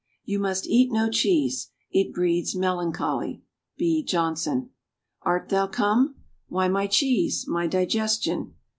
You must eat no cheese ... it breeds melancholy. B. Jonson. Art thou come? Why my cheese, my digestion!